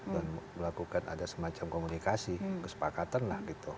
dan melakukan ada semacam komunikasi kesepakatan lah gitu